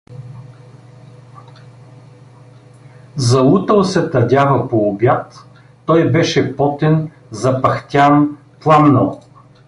Залутал се тъдява по обяд, той беше потен, запъхтян, пламнал.